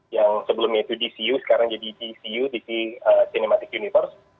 yang sebelumnya itu dcu sekarang jadi gcu tcu cinematic universe